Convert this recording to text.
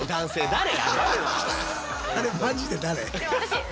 あれマジで誰？